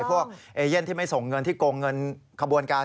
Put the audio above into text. พวกเอเย่นที่ไม่ส่งเงินที่โกงเงินขบวนการ